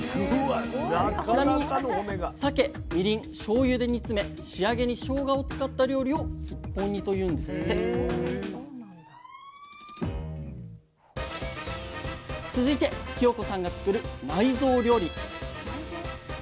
ちなみに酒みりんしょうゆで煮詰め仕上げにしょうがを使った料理をすっぽん煮というんですって続いてキヨ子さんが作る内臓料理。